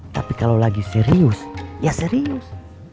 tapi kalau lagi serius ya serius